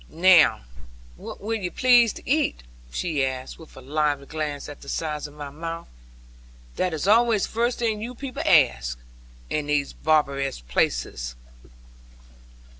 'Now what will ye please to eat?' she asked, with a lively glance at the size of my mouth: 'that is always the first thing you people ask, in these barbarous places.'